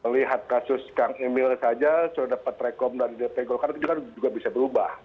lihat kasus kang emil saja sudah dapat rekom dari dp golkar itu kan juga bisa berubah